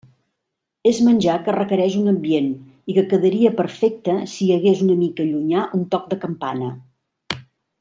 És menjar que requereix un ambient, i que quedaria perfecte si hi hagués una mica llunyà un toc de campana.